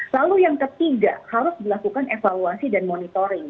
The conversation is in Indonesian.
lalu yang ketiga harus dilakukan evaluasi dan monitoring